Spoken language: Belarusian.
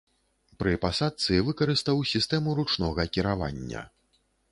Пры пасадцы выкарыстаў сістэму ручнога кіравання.